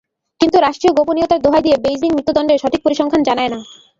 কিন্তু রাষ্ট্রীয় গোপনীয়তার দোহাই দিয়ে বেইজিং মৃত্যুদণ্ডের সঠিক পরিসংখ্যান জানায় না।